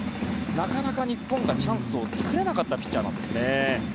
なかなか日本がチャンスを作れなかったピッチャーです。